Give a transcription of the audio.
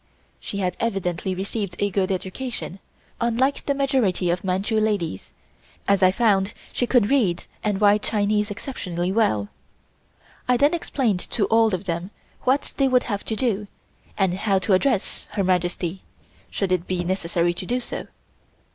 She had evidently received a good education, unlike the majority of Manchu ladies, as I found she could read and write Chinese exceptionally well. I then explained to all of them what they would have to do, and how to address Her Majesty, should it be necessary to do so.